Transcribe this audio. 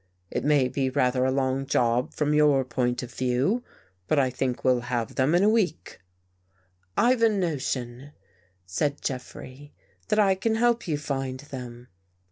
It may be rather a long job from your point of view, but I think we'll have them in a week." " I've a notion," said Jeffrey, " that I can help you find them."